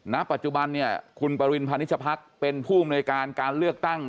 ณปัจจุบันเนี่ยคุณปริณพานิชพักษ์เป็นผู้อำนวยการการเลือกตั้ง